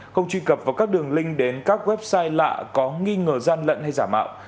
không truy cập vào các đường link đến các website lạ có nghi ngờ gian lận hay giả mạo